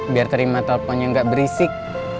biar terima teleponnya gak berisik